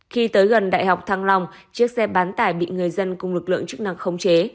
khi tới gần đại học thăng long chiếc xe bán tải bị người dân cùng lực lượng chức năng khống chế